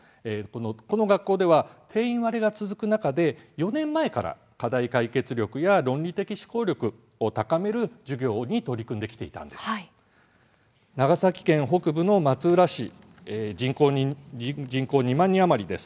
この学校では定員割れが続く中で４年前から課題解決力や論理的思考力を高める授業に取り組んできていたんです。